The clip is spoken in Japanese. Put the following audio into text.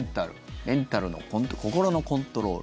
メンタル、心のコントロール。